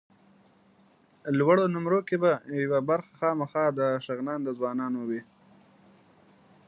لوړو نومرو کې به یوه برخه خامخا د شغنان د ځوانانو وي.